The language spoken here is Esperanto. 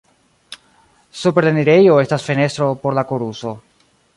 Super la enirejo estas fenestro por la koruso.